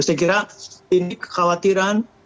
saya kira ini kekhawatiran